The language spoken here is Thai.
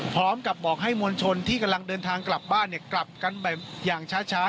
พร้อมกับบอกให้มวลชนที่กำลังเดินทางกลับบ้านกลับกันแบบอย่างช้า